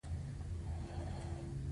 هغې د نرم کوڅه په اړه خوږه موسکا هم وکړه.